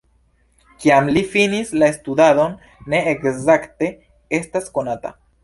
Kiam li finis la studadon ne ekzakte estas konata.